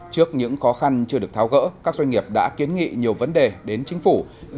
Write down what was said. trước những khó khăn chưa được tháo gỡ các doanh nghiệp đã kiến nghị nhiều vấn đề đến chính phủ